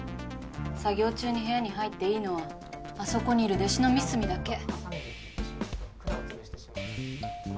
作業中に部屋に入っていいのはあそこにいる弟子の三隅だけ。